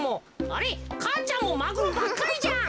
あれっ母ちゃんもマグロばっかりじゃん。